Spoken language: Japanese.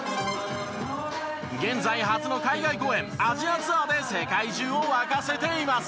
現在初の海外公演アジアツアーで世界中を沸かせています。